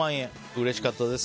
うれしかったです。